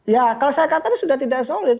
ya kalau saya katakan sudah tidak solid